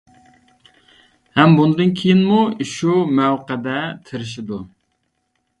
ھەم بۇندىن كېيىنمۇ شۇ مەۋقەدە تىرىشىدۇ.